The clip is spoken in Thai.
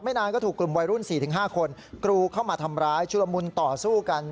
นานก็ถูกกลุ่มวัยรุ่น๔๕คนกรูเข้ามาทำร้ายชุลมุนต่อสู้กัน